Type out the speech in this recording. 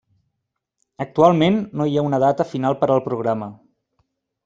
Actualment no hi ha una data final per al programa.